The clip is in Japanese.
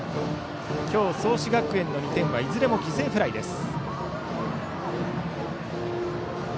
今日、創志学園の２点はいずれも犠牲フライです。